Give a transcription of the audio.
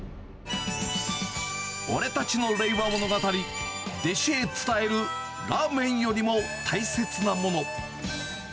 俺たちの令和物語、弟子へ伝えるラーメンよりも大切なもの。